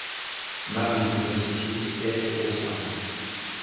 Mary's University et au St.